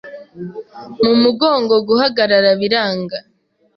mu mugongo guhagarara biranga